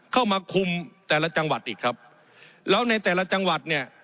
เข้ามาคุมแต่ละจังหวัดอีกครับแล้วในแต่ละจังหวัดเนี่ย